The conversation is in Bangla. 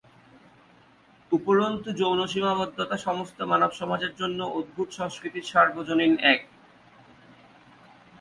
উপরন্তু, "যৌন সীমাবদ্ধতা" সমস্ত মানব সমাজের জন্য অদ্ভুত সংস্কৃতির সর্বজনীন এক।